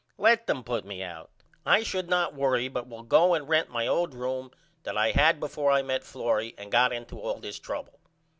Let them put me out. I should not worry but will go and rent my old room that I had before I met Florrie and got into all this trouble.